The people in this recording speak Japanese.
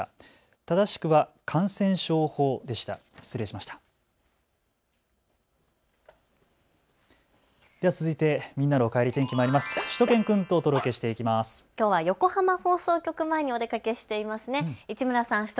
正しくは感染症法でした。